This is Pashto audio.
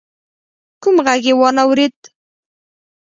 کوم غږ يې وانه ورېد.